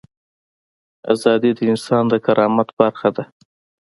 ازادي د انسان د کرامت برخه ده.